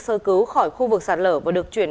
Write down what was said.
sơ cứu khỏi khu vực sạt lở và được chuyển